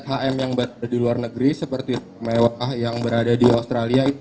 hm yang berada di luar negeri seperti mewah yang berada di australia